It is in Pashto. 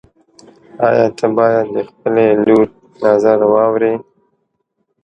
ايا ته باید د خپلي لور نظر واورې؟